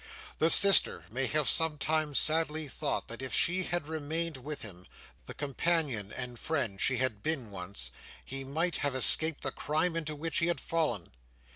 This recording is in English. The sister may have sometimes sadly thought that if she had remained with him, the companion and friend she had been once, he might have escaped the crime into which he had fallen.